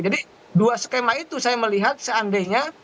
jadi dua skema itu saya melihat seandainya